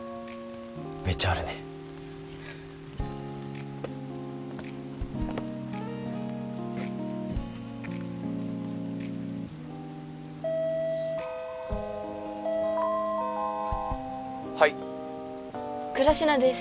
めちゃあるねはい倉科です